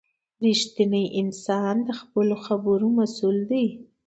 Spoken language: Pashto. • رښتینی انسان د خپلو خبرو مسؤل وي.